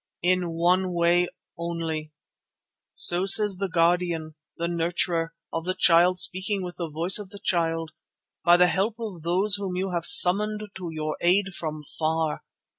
In one way only—so says the Guardian, the Nurturer of the Child speaking with the voice of the Child; by the help of those whom you have summoned to your aid from far.